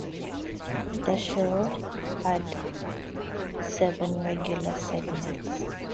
The show had seven regular segments.